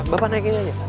bapak naik ini aja